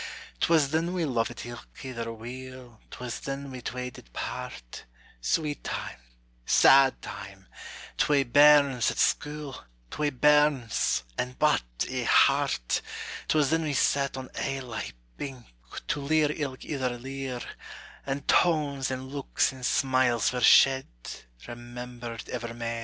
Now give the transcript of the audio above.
'Twas then we luvit ilk ither weel, 'Twas then we twa did part; Sweet time sad time! twa bairns at scule, Twa bairns, and but ae heart! 'Twas then we sat on ae laigh bink, To leir ilk ither lear; And tones and looks and smiles were shed, Remembered evermair.